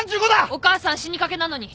お母さん死にかけなのに。